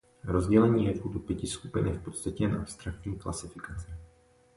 Rozdělení jevů do pěti skupin je v podstatě jen abstraktní klasifikace.